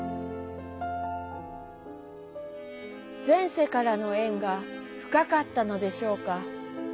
「前世からの縁が深かったのでしょうか。